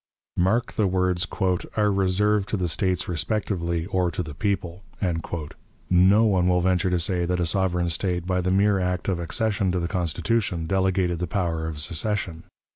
Mark the words, "are reserved to the States respectively, or to the people." No one will venture to say that a sovereign State, by the mere act of accession to the Constitution, delegated the power of secession.